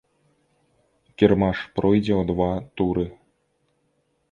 Кірмаш пройдзе ў два туры.